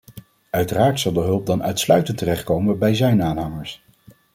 Uiteraard zal de hulp dan uitsluitend terechtkomen bij zijn aanhangers.